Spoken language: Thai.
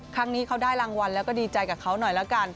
ครั้งนี้เขาได้รางวัลแล้วก็ดีใจกับเขาหน่อยแล้วกัน